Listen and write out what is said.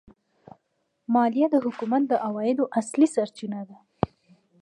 مالیه د حکومت د عوایدو اصلي سرچینه ده.